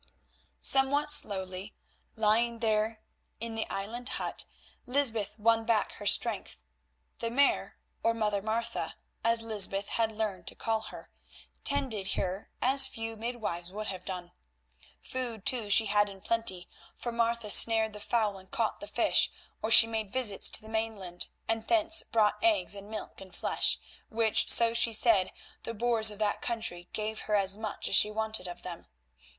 Somewhat slowly, lying there in the island hut, Lysbeth won back her strength. The Mare, or Mother Martha, as Lysbeth had now learned to call her, tended her as few midwives would have done. Food, too, she had in plenty, for Martha snared the fowl and caught the fish, or she made visits to the mainland, and thence brought eggs and milk and flesh, which, so she said, the boors of that country gave her as much as she wanted of them.